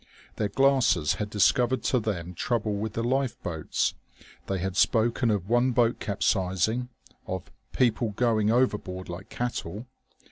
Their glasses had discovered to them trouble with the lifeboats; they had spoken of one boat capsizing, of "people going overboard like cattle."